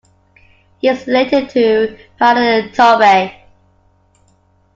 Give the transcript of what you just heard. He is related to Paola Turbay.